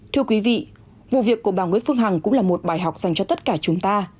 thưa quý vị vụ việc của bà nguyễn phương hằng cũng là một bài học dành cho tất cả chúng ta